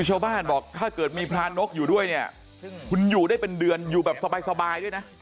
บอกถ้าเกิดมีพระนกอยู่ด้วยเนี่ยคุณอยู่ได้เป็นเดือนอยู่แบบสบายด้วยนะ